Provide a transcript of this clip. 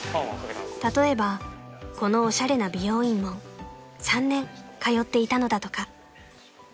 ［例えばこのおしゃれな美容院も３年通っていたのだとか］